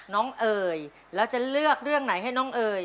เอ่ยแล้วจะเลือกเรื่องไหนให้น้องเอ๋ย